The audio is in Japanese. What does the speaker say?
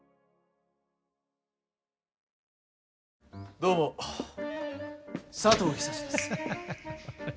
どうも佐藤久志です。